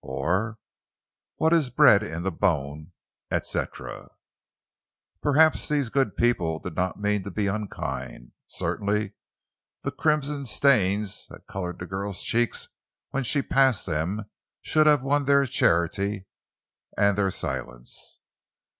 Or—"What's bred in the bone, et cetera." Perhaps these good people did not mean to be unkind; certainly the crimson stains that colored the girl's cheeks when she passed them should have won their charity and their silence.